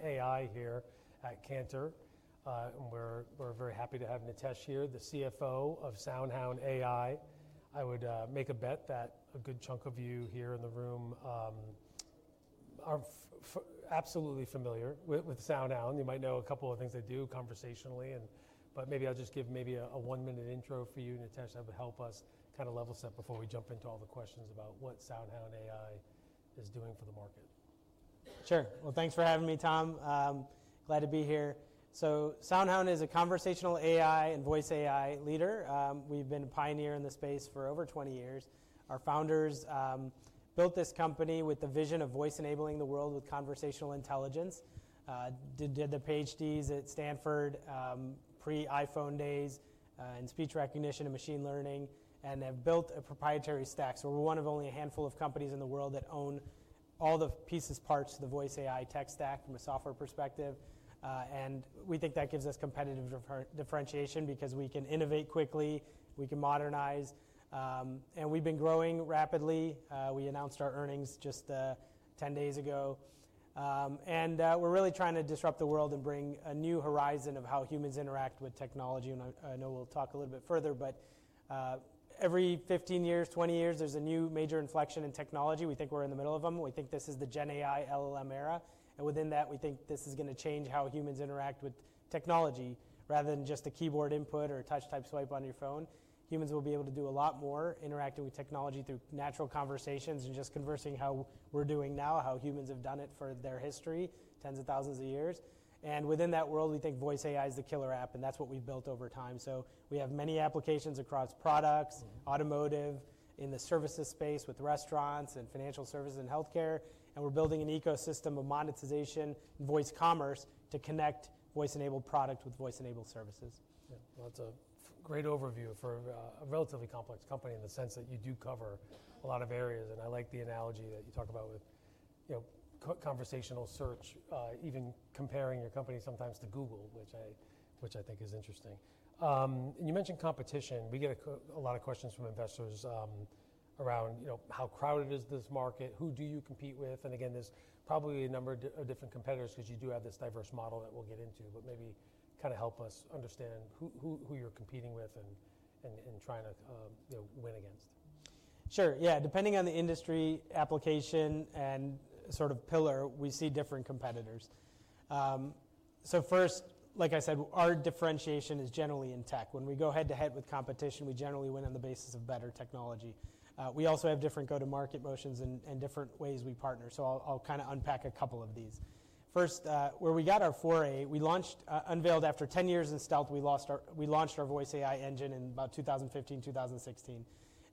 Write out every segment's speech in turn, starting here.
We're an AI here at Cantor, and we're very happy to have Nitesh here, the CFO of SoundHound AI. I would make a bet that a good chunk of you here in the room are absolutely familiar with SoundHound. You might know a couple of things they do conversationally, but maybe I'll just give maybe a one-minute intro for you and Nitesh that would help us kind of level set before we jump into all the questions about what SoundHound AI is doing for the market. Sure. Thanks for having me, Tom. Glad to be here. SoundHound is a conversational AI and voice AI leader. We've been a pioneer in the space for over 20 years. Our founders built this company with the vision of voice enabling the world with conversational intelligence. Did the PhDs at Stanford, pre-iPhone days, in speech recognition and machine learning, and have built a proprietary stack. We're one of only a handful of companies in the world that own all the pieces, parts of the voice AI tech stack from a software perspective. We think that gives us competitive differentiation because we can innovate quickly, we can modernize, and we've been growing rapidly. We announced our earnings just 10 days ago. We're really trying to disrupt the world and bring a new horizon of how humans interact with technology. I know we'll talk a little bit further, but every 15 years, 20 years, there's a new major inflection in technology. We think we're in the middle of them. We think this is the Gen AI LLM era. Within that, we think this is going to change how humans interact with technology rather than just a keyboard input or a touch-type swipe on your phone. Humans will be able to do a lot more interacting with technology through natural conversations and just conversing how we're doing now, how humans have done it for their history, tens of thousands of years. Within that world, we think voice AI is the killer app, and that's what we've built over time. We have many applications across products, automotive, in the services space with restaurants and financial services and healthcare. We are building an ecosystem of monetization and voice commerce to connect voice-enabled product with voice-enabled services. Yeah. That is a great overview for a relatively complex company in the sense that you do cover a lot of areas. I like the analogy that you talk about with conversational search, even comparing your company sometimes to Google, which I think is interesting. You mentioned competition. We get a lot of questions from investors around how crowded is this market, who do you compete with. There is probably a number of different competitors because you do have this diverse model that we will get into, but maybe kind of help us understand who you are competing with and trying to win against. Sure. Yeah. Depending on the industry, application, and sort of pillar, we see different competitors. First, like I said, our differentiation is generally in tech. When we go head-to-head with competition, we generally win on the basis of better technology. We also have different go-to-market motions and different ways we partner. I'll kind of unpack a couple of these. First, where we got our foray, we launched, unveiled after 10 years in stealth, we launched our voice AI engine in about 2015, 2016.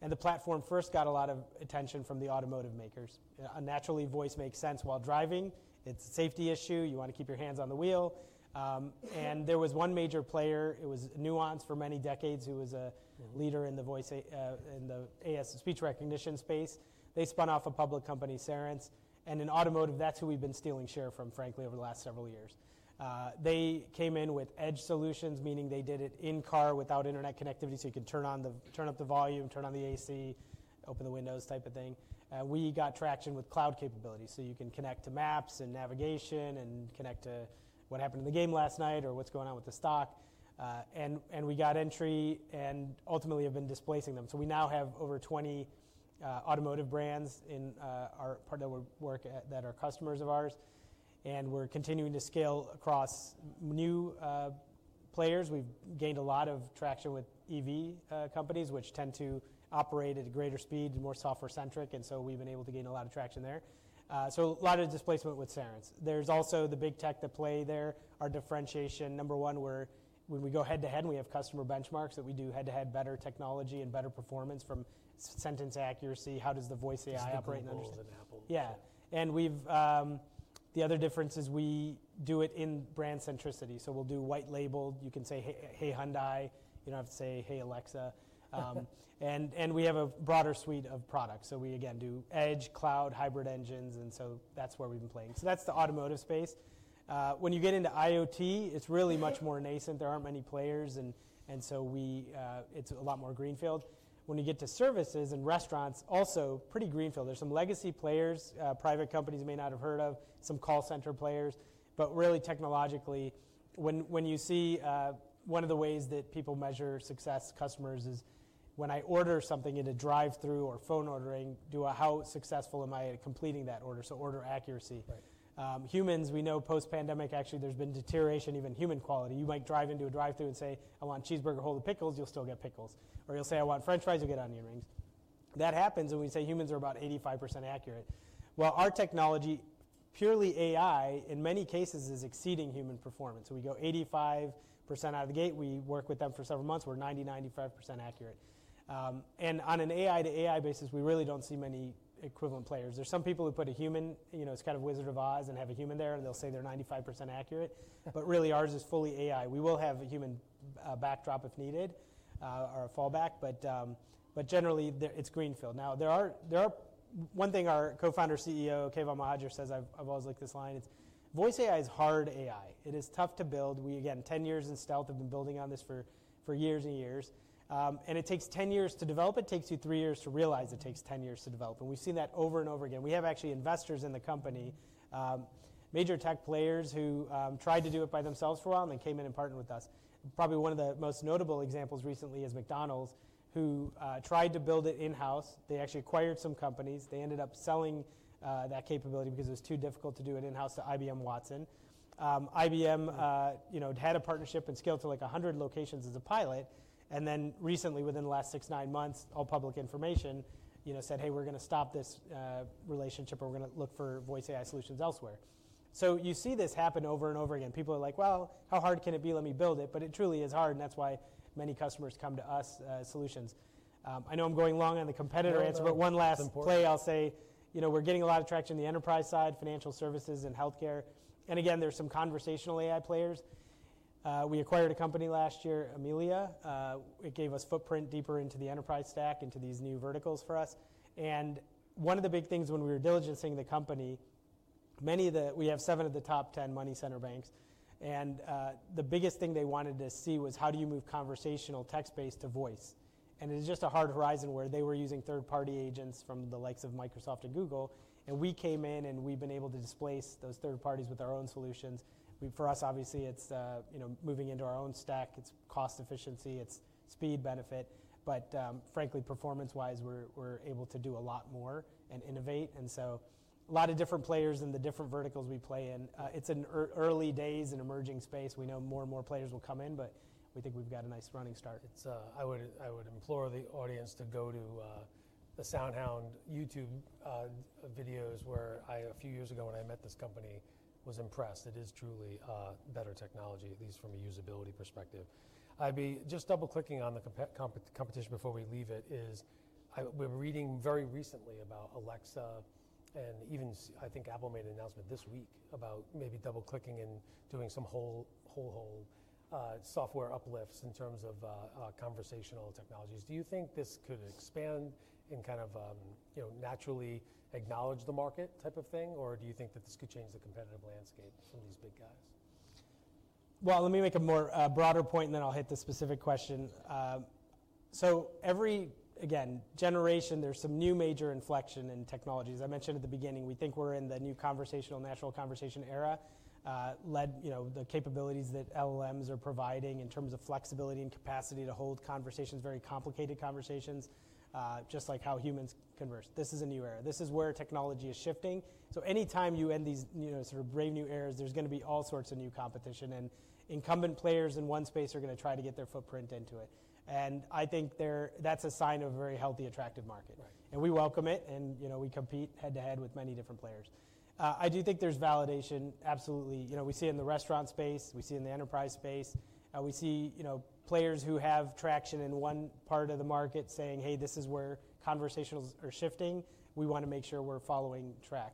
The platform first got a lot of attention from the automotive makers. Naturally, voice makes sense while driving. It's a safety issue. You want to keep your hands on the wheel. There was one major player. It was Nuance for many decades who was a leader in the ASR speech recognition space. They spun off a public company, Cerence. In automotive, that's who we've been stealing share from, frankly, over the last several years. They came in with edge solutions, meaning they did it in-car without internet connectivity. You can turn up the volume, turn on the AC, open the windows type of thing. We got traction with cloud capabilities. You can connect to maps and navigation and connect to what happened in the game last night or what's going on with the stock. We got entry and ultimately have been displacing them. We now have over 20 automotive brands that are customers of ours. We're continuing to scale across new players. We've gained a lot of traction with EV companies, which tend to operate at a greater speed and are more software-centric. We've been able to gain a lot of traction there. A lot of displacement with Cerence. There's also the Big Tech that play there. Our differentiation, number one, where when we go head-to-head, we have customer benchmarks that we do head-to-head better technology and better performance from sentence accuracy. How does the voice AI operate and understand? It's kind of more than Apple. Yeah. The other difference is we do it in brand centricity. We do white label. You can say, "Hey, Hyundai." You do not have to say, "Hey, Alexa." We have a broader suite of products. We, again, do edge, cloud, hybrid engines. That is where we have been playing. That is the automotive space. When you get into IoT, it is really much more nascent. There are not many players. It is a lot more greenfield. When you get to services and restaurants, also pretty greenfield. There are some legacy players, private companies you may not have heard of, some call center players. Really, technologically, when you see one of the ways that people measure success, customers, is when I order something in a drive-thru or phone ordering, how successful am I at completing that order? Order accuracy. Humans, we know post-pandemic, actually, there's been deterioration in even human quality. You might drive into a drive-thru and say, "I want cheeseburger, whole pickles," you'll still get pickles. You might say, "I want French fries," you'll get onion rings. That happens. We say humans are about 85% accurate. Our technology, purely AI, in many cases, is exceeding human performance. We go 85% out of the gate. We work with them for several months. We're 90%-95% accurate. On an AI to AI basis, we really do not see many equivalent players. There are some people who put a human, it is kind of Wizard of Oz and have a human there, and they will say they are 95% accurate. Ours is fully AI. We will have a human backdrop if needed or a fallback, but generally, it is greenfield. Now, one thing our co-founder and CEO, Keyvan Mohajer, says, I've always liked this line. It's, "Voice AI is hard AI. It is tough to build." We, again, 10 years in stealth, have been building on this for years and years. It takes 10 years to develop. It takes you 3 years to realize it takes 10 years to develop. We have seen that over and over again. We have actually investors in the company, major tech players who tried to do it by themselves for a while and then came in and partnered with us. Probably one of the most notable examples recently is McDonald's, who tried to build it in-house. They actually acquired some companies. They ended up selling that capability because it was too difficult to do it in-house to IBM Watson. IBM had a partnership and scaled to like 100 locations as a pilot. Recently, within the last six to nine months, all public information said, "Hey, we're going to stop this relationship, or we're going to look for voice AI solutions elsewhere." You see this happen over and over again. People are like, "Well, how hard can it be? Let me build it." It truly is hard. That is why many customers come to us solutions. I know I'm going long on the competitor answer, but one last play. That's important. I'll say we're getting a lot of traction in the enterprise side, financial services, and healthcare. There's some conversational AI players. We acquired a company last year, Amelia. It gave us footprint deeper into the enterprise stack, into these new verticals for us. One of the big things when we were diligencing the company, we have seven of the top 10 money center banks. The biggest thing they wanted to see was how do you move conversational text-based to voice. It was just a hard horizon where they were using third-party agents from the likes of Microsoft and Google. We came in, and we've been able to displace those third parties with our own solutions. For us, obviously, it's moving into our own stack. It's cost efficiency. It's speed benefit. Frankly, performance-wise, we're able to do a lot more and innovate. A lot of different players in the different verticals we play in. It's in early days in emerging space. We know more and more players will come in, but we think we've got a nice running start. I would implore the audience to go to the SoundHound YouTube videos where I, a few years ago, when I met this company, was impressed. It is truly better technology, at least from a usability perspective. Just double-clicking on the competition before we leave it is we're reading very recently about Alexa. Even I think Apple made an announcement this week about maybe double-clicking and doing some whole software uplifts in terms of conversational technologies. Do you think this could expand and kind of naturally acknowledge the market type of thing? Or do you think that this could change the competitive landscape from these big guys? Let me make a more broader point, and then I'll hit the specific question. Every, again, generation, there's some new major inflection in technologies. I mentioned at the beginning, we think we're in the new conversational, natural conversation era. Led the capabilities that LLMs are providing in terms of flexibility and capacity to hold conversations, very complicated conversations, just like how humans converse. This is a new era. This is where technology is shifting. Anytime you end these sort of brave new eras, there's going to be all sorts of new competition. Incumbent players in one space are going to try to get their footprint into it. I think that's a sign of a very healthy, attractive market. We welcome it. We compete head-to-head with many different players. I do think there's validation, absolutely. We see it in the restaurant space. We see it in the enterprise space. We see players who have traction in one part of the market saying, "Hey, this is where conversations are shifting. We want to make sure we're following track."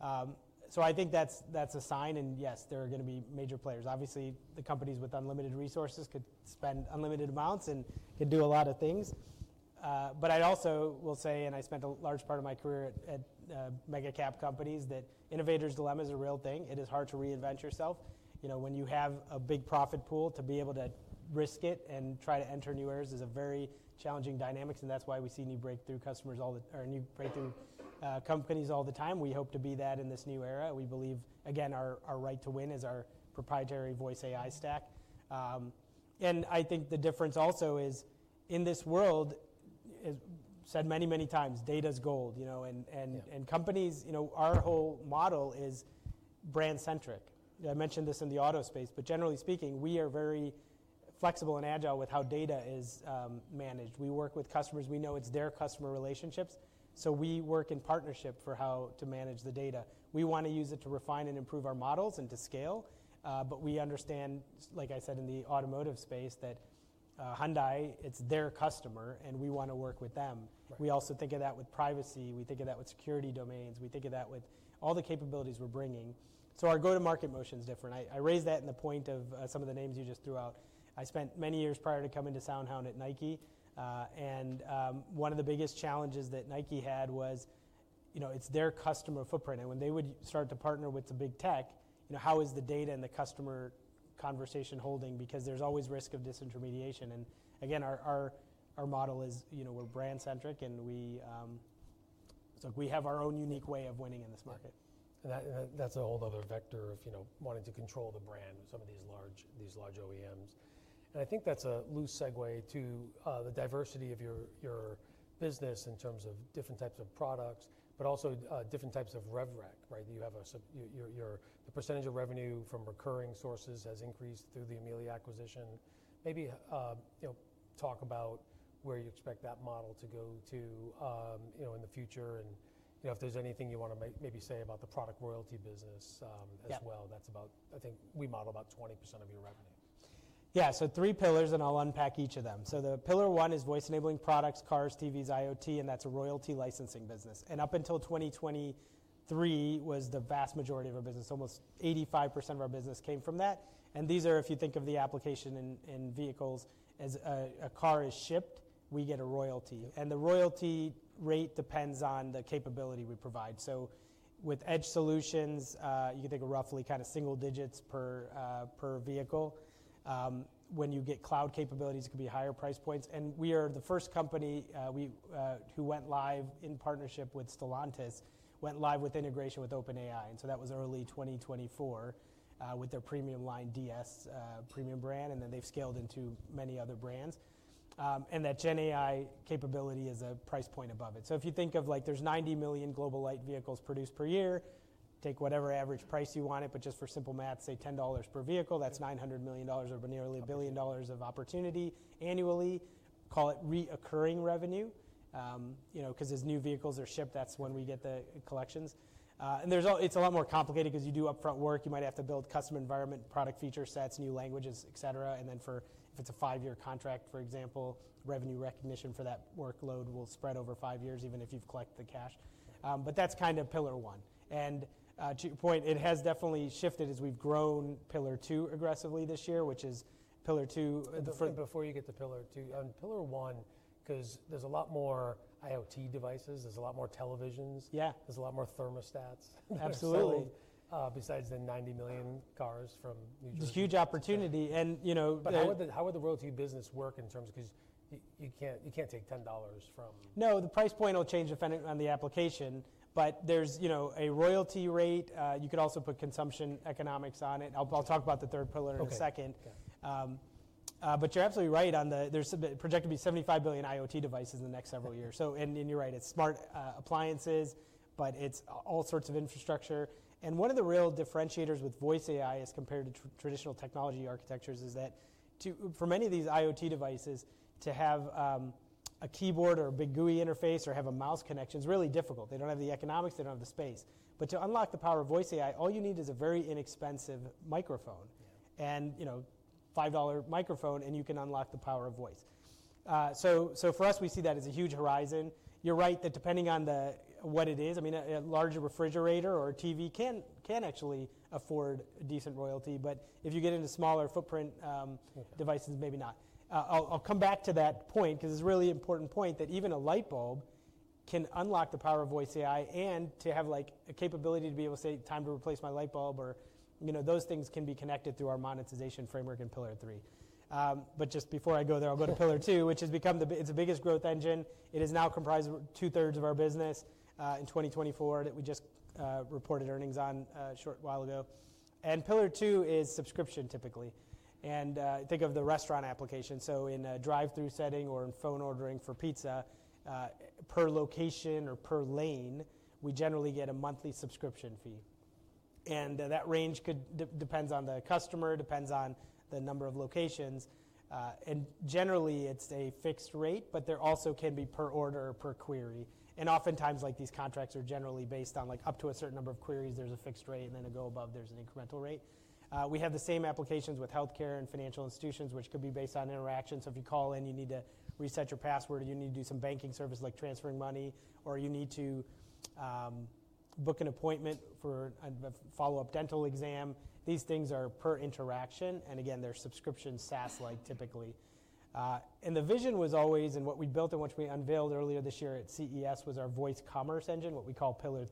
I think that's a sign. Yes, there are going to be major players. Obviously, the companies with unlimited resources could spend unlimited amounts and could do a lot of things. I also will say, and I spent a large part of my career at mega-cap companies, that innovators' dilemmas are a real thing. It is hard to reinvent yourself. When you have a big profit pool, to be able to risk it and try to enter new areas is a very challenging dynamic. That's why we see new breakthrough customers or new breakthrough companies all the time. We hope to be that in this new era. We believe, again, our right to win is our proprietary voice AI stack. I think the difference also is in this world, as said many, many times, data's gold. Companies, our whole model is brand-centric. I mentioned this in the auto space, but generally speaking, we are very flexible and agile with how data is managed. We work with customers. We know it's their customer relationships. We work in partnership for how to manage the data. We want to use it to refine and improve our models and to scale. We understand, like I said, in the automotive space, that Hyundai, it's their customer, and we want to work with them. We also think of that with privacy. We think of that with security domains. We think of that with all the capabilities we're bringing. Our go-to-market motion's different. I raised that in the point of some of the names you just threw out. I spent many years prior to coming to SoundHound at Nike. And one of the biggest challenges that Nike had was it's their customer footprint. When they would start to partner with the Big Tech, how is the data and the customer conversation holding? Because there's always risk of disintermediation. Our model is we're brand-centric. We have our own unique way of winning in this market. That's a whole other vector of wanting to control the brand, some of these large OEMs. I think that's a loose segue to the diversity of your business in terms of different types of products, but also different types of rev rec, right? The percentage of revenue from recurring sources has increased through the Amelia acquisition. Maybe talk about where you expect that model to go to in the future. If there's anything you want to maybe say about the product loyalty business as well. I think we model about 20% of your revenue. Yeah. Three pillars, and I'll unpack each of them. The pillar one is voice-enabling products, cars, TVs, IoT, and that's a royalty licensing business. Up until 2023, it was the vast majority of our business. Almost 85% of our business came from that. If you think of the application in vehicles, as a car is shipped, we get a royalty. The royalty rate depends on the capability we provide. With edge solutions, you can think of roughly kind of single digits per vehicle. When you get cloud capabilities, it could be higher price points. We are the first company who went live in partnership with Stellantis, went live with integration with OpenAI. That was early 2024 with their premium line DS premium brand. They have scaled into many other brands. That GenAI capability is a price point above it. If you think of like there's 90 million global light vehicles produced per year, take whatever average price you want it, but just for simple math, say $10 per vehicle, that's $900 million or nearly a billion dollars of opportunity annually. Call it reoccurring revenue. Because as new vehicles are shipped, that's when we get the collections. It's a lot more complicated because you do upfront work. You might have to build custom environment, product feature sets, new languages, etc. For if it's a five-year contract, for example, revenue recognition for that workload will spread over five years, even if you've collected the cash. That's kind of pillar one. To your point, it has definitely shifted as we've grown pillar two aggressively this year, which is pillar two. Before you get to pillar two, on pillar one, because there's a lot more IoT devices, there's a lot more televisions. Yeah. There's a lot more thermostats. Absolutely. Besides the 90 million cars from New Jersey. It's a huge opportunity. How would the royalty business work in terms of because you can't take $10 from. No, the price point will change depending on the application. But there's a royalty rate. You could also put consumption economics on it. I'll talk about the third pillar in a second. But you're absolutely right on the there's projected to be 75 billion IoT devices in the next several years. And you're right. It's smart appliances, but it's all sorts of infrastructure. One of the real differentiators with voice AI as compared to traditional technology architectures is that for many of these IoT devices, to have a keyboard or a big GUI interface or have a mouse connection is really difficult. They don't have the economics. They don't have the space. To unlock the power of voice AI, all you need is a very inexpensive microphone. A $5 microphone, and you can unlock the power of voice. For us, we see that as a huge horizon. You're right that depending on what it is, I mean, a larger refrigerator or a TV can actually afford decent royalty. If you get into smaller footprint devices, maybe not. I'll come back to that point because it's a really important point that even a light bulb can unlock the power of voice AI and to have a capability to be able to say, "Time to replace my light bulb," or those things can be connected through our monetization framework in pillar three. Just before I go there, I'll go to pillar two, which has become the it's the biggest growth engine. It is now comprised of two-thirds of our business in 2024 that we just reported earnings on a short while ago. Pillar two is subscription typically. Think of the restaurant application. In a drive-thru setting or in phone ordering for pizza, per location or per lane, we generally get a monthly subscription fee. That range depends on the customer, depends on the number of locations. Generally, it's a fixed rate, but there also can be per order or per query. Oftentimes, these contracts are generally based on up to a certain number of queries, there's a fixed rate. To go above, there's an incremental rate. We have the same applications with healthcare and financial institutions, which could be based on interaction. If you call in, you need to reset your password, or you need to do some banking service like transferring money, or you need to book an appointment for a follow-up dental exam. These things are per interaction. Again, they're subscription SaaS-like typically. The vision was always, and what we built and what we unveiled earlier this year at CES was our voice commerce engine, what we call pillar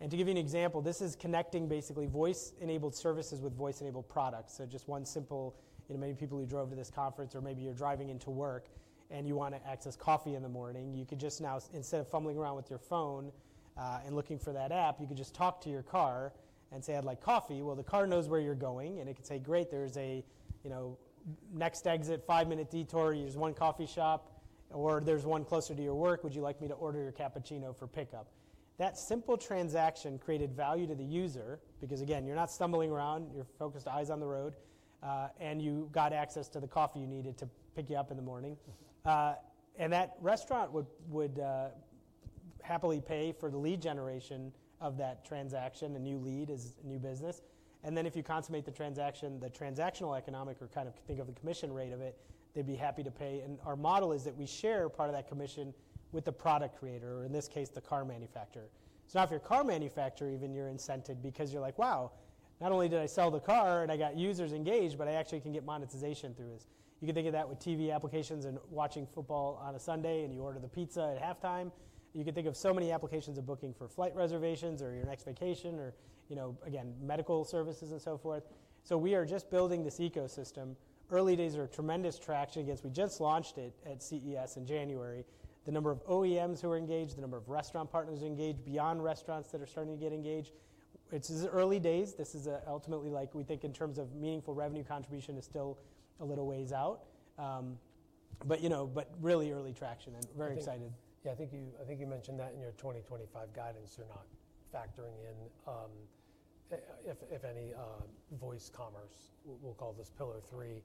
three. To give you an example, this is connecting basically voice-enabled services with voice-enabled products. Just one simple, many people who drove to this conference, or maybe you're driving into work, and you want to access coffee in the morning, you could just now, instead of fumbling around with your phone and looking for that app, you could just talk to your car and say, "I'd like coffee." The car knows where you're going, and it could say, "Great. There's a next exit, five-minute detour. Here's one coffee shop," or, "There's one closer to your work. Would you like me to order your cappuccino for pickup?" That simple transaction created value to the user because, again, you're not stumbling around. You're focused, eyes on the road, and you got access to the coffee you needed to pick you up in the morning. That restaurant would happily pay for the lead generation of that transaction. A new lead is a new business. If you consummate the transaction, the transactional economic, or kind of think of the commission rate of it, they'd be happy to pay. Our model is that we share part of that commission with the product creator, or in this case, the car manufacturer. Now, if you're a car manufacturer, even you're incented because you're like, "Wow, not only did I sell the car and I got users engaged, but I actually can get monetization through this." You can think of that with TV applications and watching football on a Sunday, and you order the pizza at halftime. You could think of so many applications of booking for flight reservations or your next vacation or, again, medical services and so forth. We are just building this ecosystem. Early days are a tremendous traction against. We just launched it at CES in January. The number of OEMs who are engaged, the number of restaurant partners engaged beyond restaurants that are starting to get engaged. It's early days. This is ultimately, like we think in terms of meaningful revenue contribution, is still a little ways out. Really early traction and very excited. Yeah. I think you mentioned that in your 2025 guidance, you're not factoring in, if any, voice commerce. We'll call this pillar three.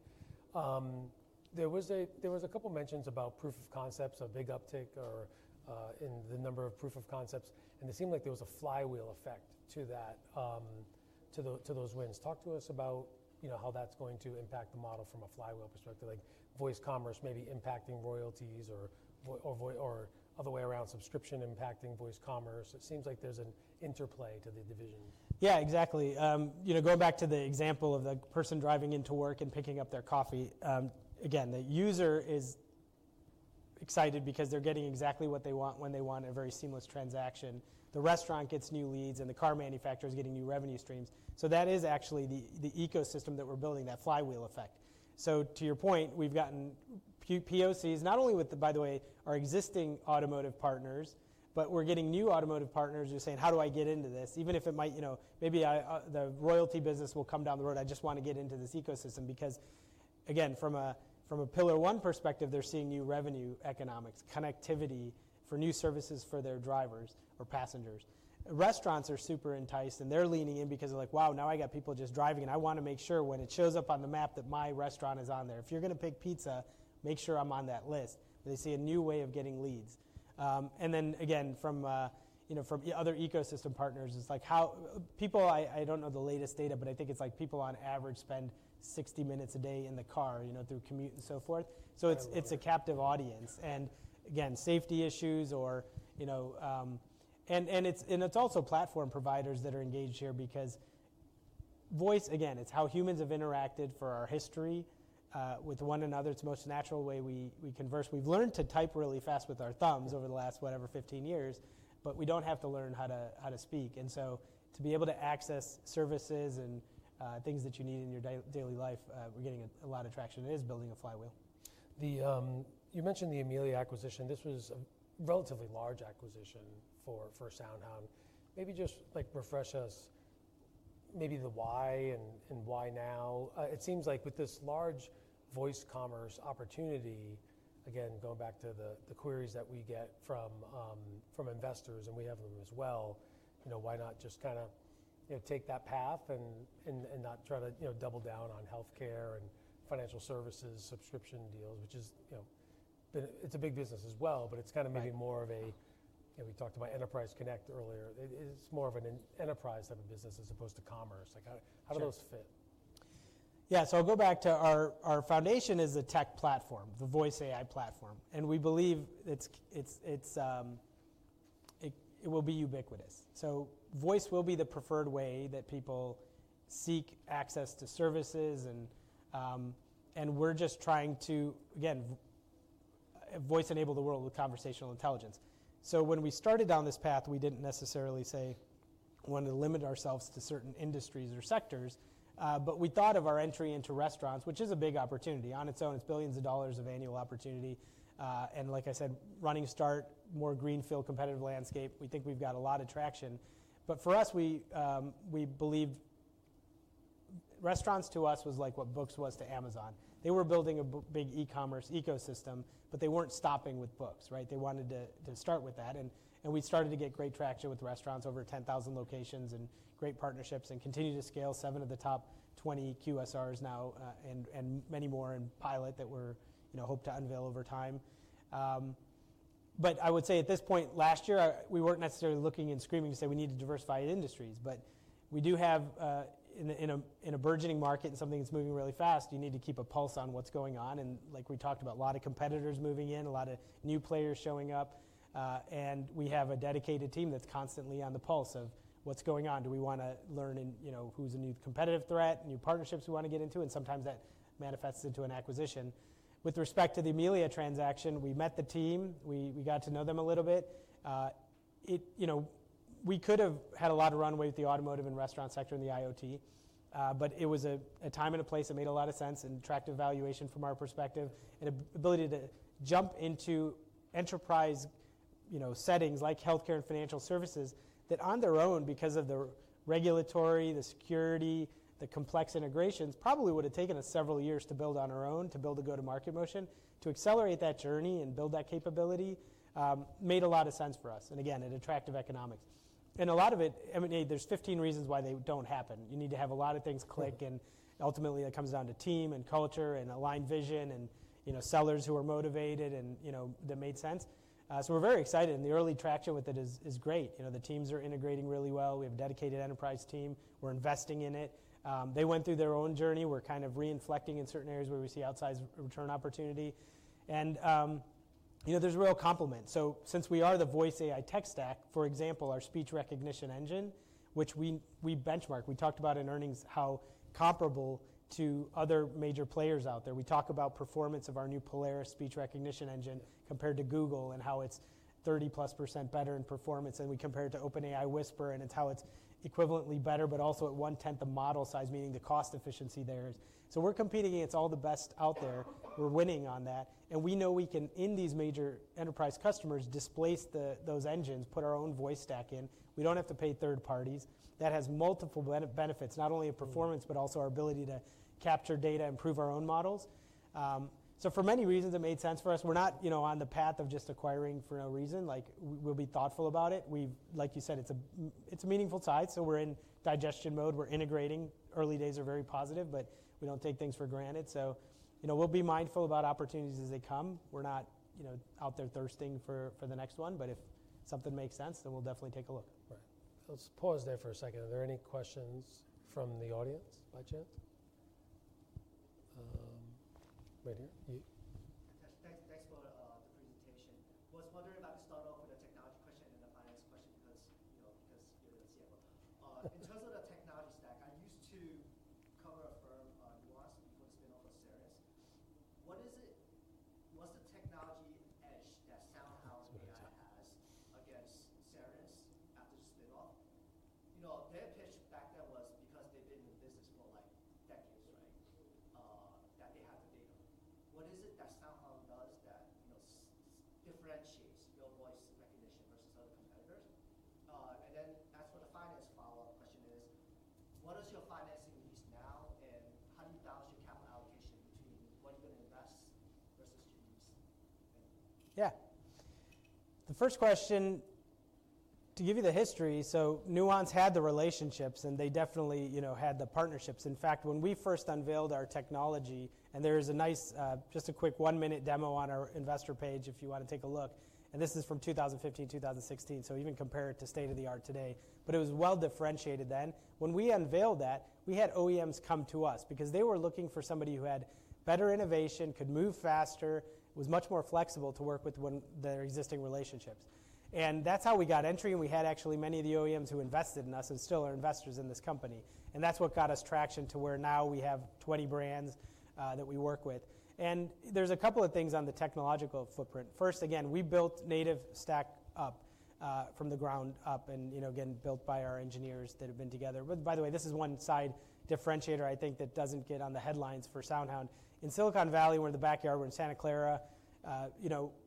There was a couple of mentions about proof of concepts, a big uptick in the number of proof of concepts. And it seemed like there was a flywheel effect to those wins. Talk to us about how that's going to impact the model from a flywheel perspective, like voice commerce maybe impacting royalties or the way around subscription impacting voice commerce. It seems like there's an interplay to the division. Yeah, exactly. Going back to the example of the person driving into work and picking up their coffee, again, the user is excited because they're getting exactly what they want when they want a very seamless transaction. The restaurant gets new leads, and the car manufacturer is getting new revenue streams. That is actually the ecosystem that we're building, that flywheel effect. To your point, we've gotten POCs, not only with, by the way, our existing automotive partners, but we're getting new automotive partners who are saying, "How do I get into this?" Even if it might, maybe the royalty business will come down the road, I just want to get into this ecosystem because, again, from a pillar one perspective, they're seeing new revenue economics, connectivity for new services for their drivers or passengers. Restaurants are super enticed, and they're leaning in because they're like, "Wow, now I got people just driving, and I want to make sure when it shows up on the map that my restaurant is on there. If you're going to pick pizza, make sure I'm on that list." They see a new way of getting leads. Again, from other ecosystem partners, it's like people, I don't know the latest data, but I think it's like people on average spend 60 minutes a day in the car through commute and so forth. It is a captive audience. Again, safety issues, or it's also platform providers that are engaged here because voice, again, it's how humans have interacted for our history with one another. It's the most natural way we converse. We've learned to type really fast with our thumbs over the last, whatever, 15 years, but we don't have to learn how to speak. To be able to access services and things that you need in your daily life, we're getting a lot of traction. It is building a flywheel. You mentioned the Amelia acquisition. This was a relatively large acquisition for SoundHound. Maybe just refresh us, maybe the why and why now. It seems like with this large voice commerce opportunity, again, going back to the queries that we get from investors, and we have them as well, why not just kind of take that path and not try to double down on healthcare and financial services, subscription deals, which is it's a big business as well, but it's kind of maybe more of a we talked about enterprise connect earlier. It's more of an enterprise type of business as opposed to commerce. How do those fit? Yeah. I'll go back to our foundation is a tech platform, the voice AI platform. We believe it will be ubiquitous. Voice will be the preferred way that people seek access to services. We're just trying to, again, voice enable the world with conversational intelligence. When we started down this path, we didn't necessarily say we wanted to limit ourselves to certain industries or sectors. We thought of our entry into restaurants, which is a big opportunity. On its own, it's billions of dollars of annual opportunity. Like I said, running start, more greenfield competitive landscape. We think we've got a lot of traction. For us, we believed restaurants to us was like what books was to Amazon. They were building a big e-commerce ecosystem, but they weren't stopping with books, right? They wanted to start with that. We started to get great traction with restaurants, over 10,000 locations, and great partnerships, and continue to scale. Seven of the top 20 QSRs now and many more in pilot that we hope to unveil over time. I would say at this point, last year, we were not necessarily looking and screaming to say we need to diversify industries. We do have, in a burgeoning market and something that is moving really fast, you need to keep a pulse on what is going on. Like we talked about, a lot of competitors moving in, a lot of new players showing up. We have a dedicated team that is constantly on the pulse of what is going on. Do we want to learn who is a new competitive threat, new partnerships we want to get into? Sometimes that manifests into an acquisition. With respect to the Amelia transaction, we met the team. We got to know them a little bit. We could have had a lot of runway with the automotive and restaurant sector and the IoT. It was a time and a place that made a lot of sense and attracted valuation from our perspective and ability to jump into enterprise settings like healthcare and financial services that on their own, because of the regulatory, the security, the complex integrations, probably would have taken us several years to build on our own to build a go-to-market motion to accelerate that journey and build that capability made a lot of sense for us. It attracted economics. A lot of it, there's 15 reasons why they don't happen. You need to have a lot of things click. Ultimately, it comes down to team and culture and aligned vision and sellers who are motivated and that made sense. We are very excited. The early traction with it is great. The teams are integrating really well. We have a dedicated enterprise team. We are investing in it. They went through their own journey. We are kind of reinflecting in certain areas where we see outsized return opportunity. There is real compliment. Since we are the voice AI tech stack, for example, our speech recognition engine, which we benchmark, we talked about in earnings how comparable to other major players out there. We talk about performance of our new Polaris speech recognition engine compared to Google and how it is 30%+ better in performance. We compare it to OpenAI Whisper, and it's how it's equivalently better, but also at one-tenth of model size, meaning the cost efficiency there is. We are competing against all the best out there. We are winning on that. We know we can, in these major enterprise customers, displace those engines, put our own voice stack in. We do not have to pay third parties. That has multiple benefits, not only in performance, but also our ability to capture data, improve our own models. For many reasons, it made sense for us. We are not on the path of just acquiring for no reason. We will be thoughtful about it. Like you said, it's a meaningful side. We are in digestion mode. We are integrating. Early days are very positive, but we do not take things for granted. We will be mindful about opportunities as they come. We're not out there thirsting for the next one. If something makes sense, then we'll definitely take a look. Right. Let's pause there for a second. Are there any questions from the audience by chance? Yeah. The first question, to give you the history, Nuance had the relationships, and they definitely had the partnerships. In fact, when we first unveiled our technology, and there is a nice, just a quick one-minute demo on our investor page if you want to take a look. This is from 2015, 2016, so even compare it to state of the art today. It was well differentiated then. When we unveiled that, we had OEMs come to us because they were looking for somebody who had better innovation, could move faster, was much more flexible to work with their existing relationships. That is how we got entry. We had actually many of the OEMs who invested in us and still are investors in this company. That is what got us traction to where now we have 20 brands that we work with. There are a couple of things on the technological footprint. First, again, we built native stack up from the ground up and, again, built by our engineers that have been together. By the way, this is one side differentiator I think that does not get on the headlines for SoundHound. In Silicon Valley, we are in the backyard. We are in Santa Clara.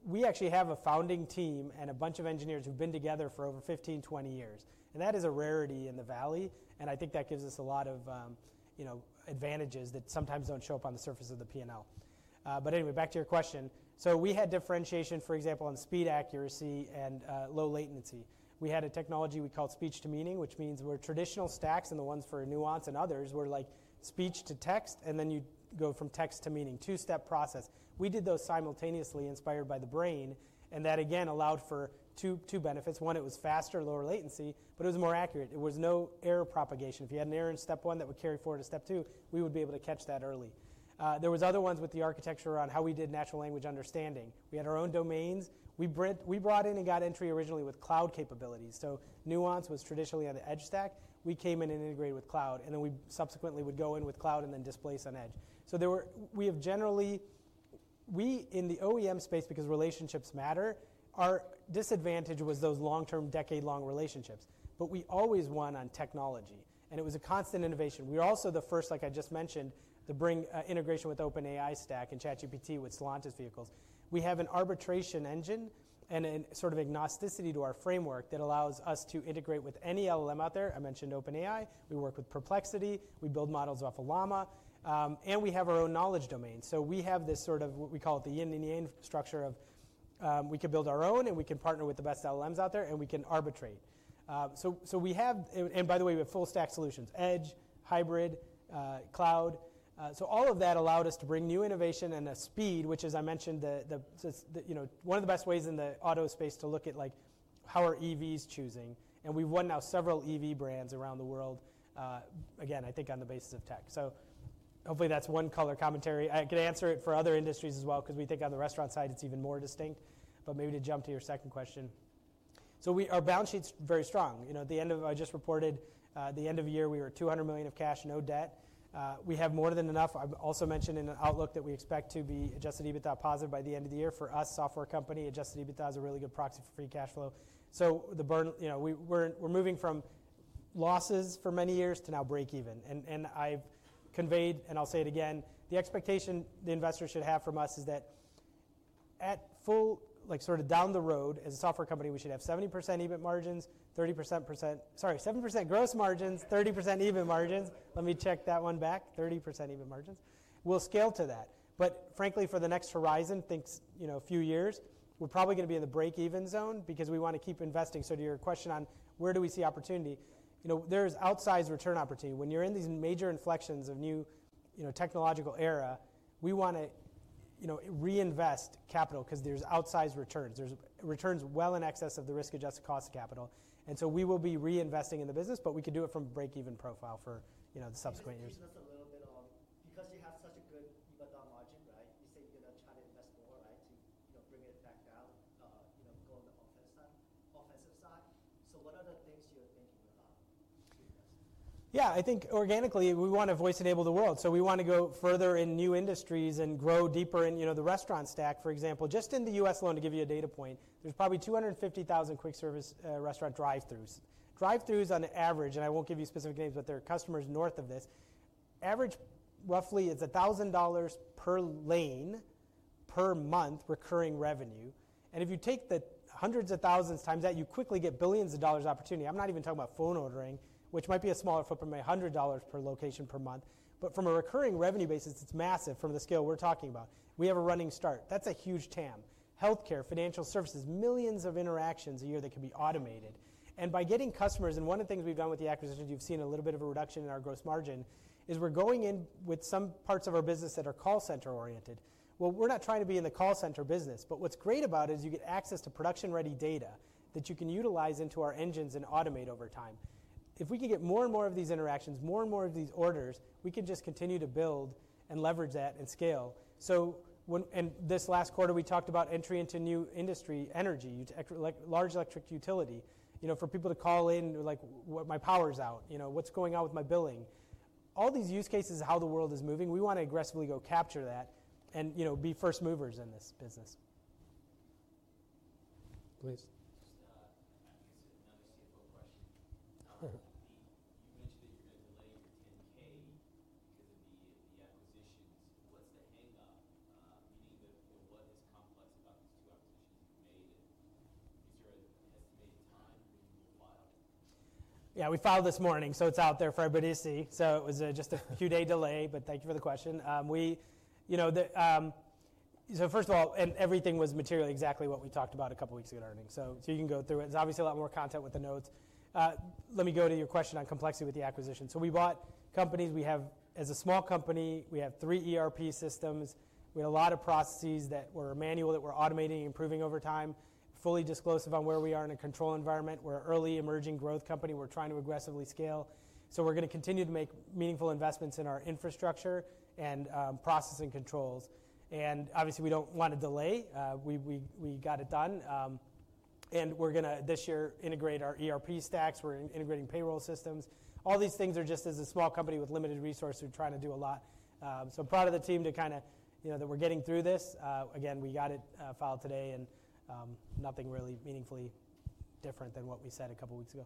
We actually have a founding team and a bunch of engineers who have been together for over 15, 20 years. That is a rarity in the valley. I think that gives us a lot of advantages that sometimes do not show up on the surface of the P&L. Anyway, back to your question. We had differentiation, for example, on speed, accuracy, and low latency. We had a technology we called Speech-to-Meaning, which means where traditional stacks and the ones for Nuance and others were like speech to text, and then you go from text to meaning, two-step process. We did those simultaneously inspired by the brain. That, again, allowed for two benefits. One, it was faster, lower latency, but it was more accurate. There was no error propagation. If you had an error in step one that would carry forward to step two, we would be able to catch that early. There were other ones with the architecture around how we did natural language understanding. We had our own domains. We brought in and got entry originally with cloud capabilities. Nuance was traditionally on the edge stack. We came in and integrated with cloud. We subsequently would go in with cloud and then displace on edge. We have generally, we in the OEM space, because relationships matter, our disadvantage was those long-term, decade-long relationships. We always won on technology. It was a constant innovation. We were also the first, like I just mentioned, to bring integration with OpenAI stack and ChatGPT with Stellantis vehicles. We have an arbitration engine and a sort of agnosticity to our framework that allows us to integrate with any LLM out there. I mentioned OpenAI. We work with Perplexity. We build models off of Llama. We have our own knowledge domain. We have this sort of what we call the yin and yang structure of we can build our own, and we can partner with the best LLMs out there, and we can arbitrate. We have, and by the way, we have full-stack solutions, edge, hybrid, cloud. All of that allowed us to bring new innovation and a speed, which, as I mentioned, one of the best ways in the auto space to look at how are EVs choosing. We have won now several EV brands around the world, again, I think on the basis of tech. Hopefully, that is one color commentary. I can answer it for other industries as well because we think on the restaurant side, it is even more distinct. Maybe to jump to your second question, our balance sheet is very strong. At the end of, I just reported the end of the year, we were $200 million of cash, no debt. We have more than enough. I also mentioned in an outlook that we expect to be adjusted EBITDA positive by the end of the year. For us, software company, adjusted EBITDA is a really good proxy for free cash flow. We are moving from losses for many years to now break even. I have conveyed, and I will say it again, the expectation the investor should have from us is that at full sort of down the road, as a software company, we should have 70% EBIT margins, 30% gross margins, 30% EBIT margins. Let me check that one back. 30% EBIT margins. We will scale to that. Frankly, for the next horizon, think a few years, we are probably going to be in the break-even zone because we want to keep investing. To your question on where do we see opportunity, there is outsized return opportunity. When you are in these major inflections of new technological era, we want to reinvest capital because there are outsized returns. There are returns well in excess of the risk-adjusted cost of capital. We will be reinvesting in the business, but we could do it from a break-even profile for the subsequent years. Can you give us a little bit of, because you have such a good EBITDA margin, right, you say you're going to try to invest more, right, to bring it back down, go on the offensive side. What are the things you're thinking about to invest? Yeah. I think organically, we want to voice enable the world. We want to go further in new industries and grow deeper in the restaurant stack, for example. Just in the U.S., alone, to give you a data point, there's probably 250,000 quick-service restaurant drive-throughs. Drive-throughs, on average, and I won't give you specific names, but there are customers north of this. Average, roughly, it's $1,000 per lane per month recurring revenue. If you take the hundreds of thousands times that, you quickly get billions of dollars opportunity. I'm not even talking about phone ordering, which might be a smaller footprint, but $100 per location per month. From a recurring revenue basis, it's massive from the scale we're talking about. We have a running start. That's a huge TAM. Healthcare, financial services, millions of interactions a year that could be automated. By getting customers, and one of the things we've done with the acquisitions, you've seen a little bit of a reduction in our gross margin, is we're going in with some parts of our business that are call center oriented. We're not trying to be in the call center business. What's great about it is you get access to production-ready data that you can utilize into our engines and automate over time. If we can get more and more of these interactions, more and more of these orders, we can just continue to build and leverage that and scale. This last quarter, we talked about entry into new industry energy, large electric utility, for people to call in, like, "My power's out. What's going on with my billing?" All these use cases of how the world is moving, we want to aggressively go capture that and be first movers in this business. Please. Just another CFO question. You mentioned that you're going to delay your 10-K because of the acquisitions. What's the hang-up? Meaning, what is complex about these two acquisitions you've made? Is there an estimated time that you will file? Yeah. We filed this morning, so it's out there for everybody to see. It was just a few-day delay. Thank you for the question. First of all, everything was materially exactly what we talked about a couple of weeks ago in earnings. You can go through it. There's obviously a lot more content with the notes. Let me go to your question on complexity with the acquisition. We bought companies. As a small company, we have three ERP systems. We had a lot of processes that were manual that we're automating and improving over time. Fully disclosive on where we are in a control environment. We're an early emerging growth company. We're trying to aggressively scale. We're going to continue to make meaningful investments in our infrastructure and processing controls. Obviously, we don't want to delay. We got it done. We are going to, this year, integrate our ERP stacks. We are integrating payroll systems. All these things are just as a small company with limited resources. We are trying to do a lot. So proud of the team to kind of that we are getting through this. Again, we got it filed today, and nothing really meaningfully different than what we said a couple of weeks ago.